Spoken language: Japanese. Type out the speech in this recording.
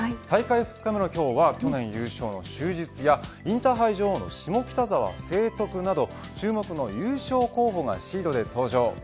大会２日目の今日は去年優勝の就実やインターハイ女王の下北沢成徳など注目の優勝候補がシードで登場。